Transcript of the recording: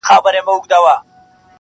درې ملګري!